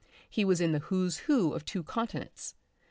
He was in the Who's Who of two continents.